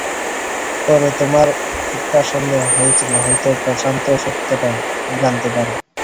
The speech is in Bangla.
পরে, তোমার একটা সন্দে হয়েছিল, হয়তো প্রশান্ত সত্যটা জানতে পারে।